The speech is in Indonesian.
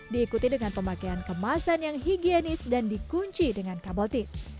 diikuti dengan pemakaian kemasan yang higienis dan dikunci dengan kabel tis